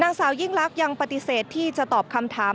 นางสาวยิ่งลักษณ์ยังปฏิเสธที่จะตอบคำถาม